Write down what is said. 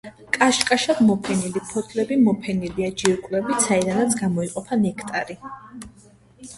კაშკაშად შეფერილი ფოთლები მოფენილია ჯირკვლებით, საიდანაც გამოიყოფა ნექტარი.